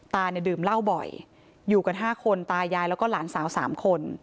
ดื่มเหล้าบ่อยอยู่กัน๕คนตายายแล้วก็หลานสาว๓คน